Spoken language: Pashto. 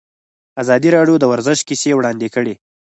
ازادي راډیو د ورزش کیسې وړاندې کړي.